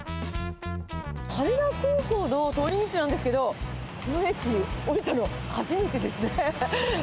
羽田空港の通り道なんですけれども、この駅、降りたの初めてですね。